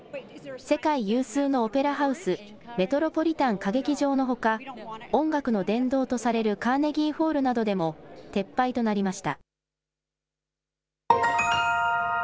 世界有数のオペラハウス、メトロポリタン歌劇場のほか、音楽の殿堂とされるカーネギーホールなどでも撤廃となりました。